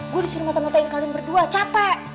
gue disuruh ngata matain kalian berdua capek